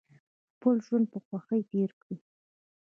خپل ژوند په خوښۍ تیر کړئ